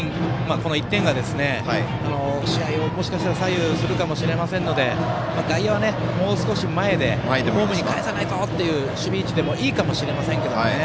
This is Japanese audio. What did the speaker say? この１点が、試合をもしかしたら左右するかもしれませんので外野はもう少し前でホームにかえさないぞという守備位置でもいいかもしれませんけどね。